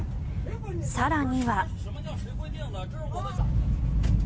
更には。